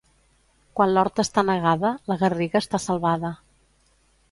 Quan l'horta està negada, la garriga està salvada.